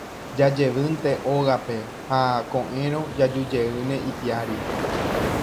Jajevýnte ógape ha ko'ẽrõ jajujeýne ipiári.